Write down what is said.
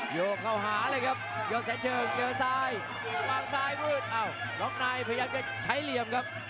โยกเข้าหาเลยครับ